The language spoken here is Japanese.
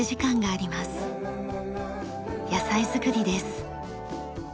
野菜づくりです。